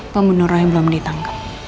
pembunuh roy belum ditangkap